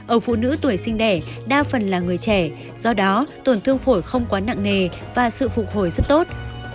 ở phụ nữ tuổi sinh đẻ đa phần là người trẻ do đó tổn thương phổi không quá nặng nề và sự phục hồi rất tốt